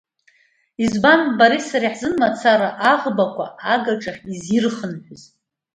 Избан, бареи сареи ҳзын мацара аӷбақәа агаҿахь изирхынҳәыз?